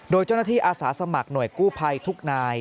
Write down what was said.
โดยเจ้าหน้าที่อาสาสมัครหน่วยกู้ภัยทุกนาย